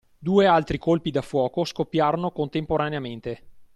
Due altri colpi da fuoco scoppiarono contemporaneamente.